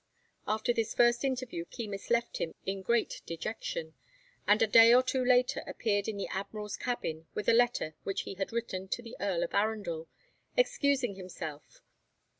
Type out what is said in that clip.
After this first interview Keymis left him in great dejection, and a day or two later appeared in the Admiral's cabin with a letter which he had written to the Earl of Arundel, excusing himself.